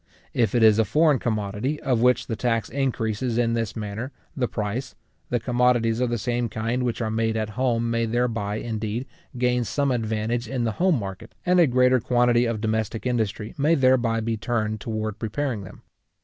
If it is a foreign commodity of which the tax increases in this manner the price, the commodities of the same kind which are made at home may thereby, indeed, gain some advantage in the home market, and a greater quantity of domestic industry may thereby be turned toward preparing them.